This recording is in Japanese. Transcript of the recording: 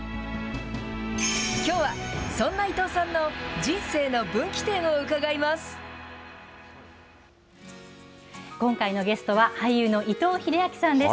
きょうは、そんな伊藤さんの人生の分岐点を伺います。